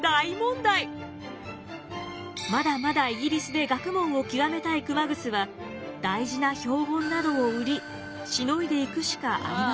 まだまだイギリスで学問を究めたい熊楠は大事な標本などを売りしのいでいくしかありませんでした。